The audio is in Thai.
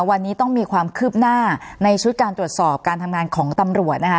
วันนี้ต้องมีความคืบหน้าในชุดการตรวจสอบการทำงานของตำรวจนะคะ